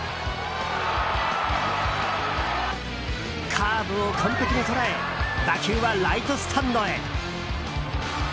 カーブを完璧にとらえ打球はライトスタンドへ。